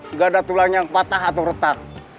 nggak ada tulang yang patah atau retak